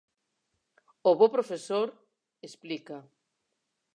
O bo profesor, explica.